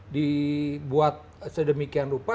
dibuat sedemikian rupa